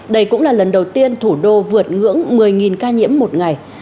đây cũng là lần đầu tiên thủ đô vượt ngưỡng một mươi ca nhiễm một ngày